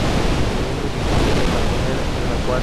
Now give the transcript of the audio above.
Es muy difícil de mantener en acuario.